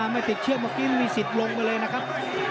ไม่ติดเชื้อเมื่อกี้มีสิทธิ์ลงไปเลยนะครับ